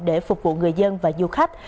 để phục vụ người dân và du khách